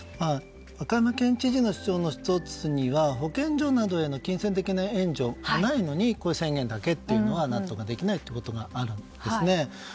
和歌山県知事の主張の１つでは保健所などへの金銭的な援助がないのにこういう宣言だけというのは何ともできないというのがあります。